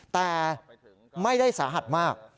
แต่ไม่ได้สาหัสมาก